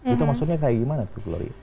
itu maksudnya kayak gimana tuh glori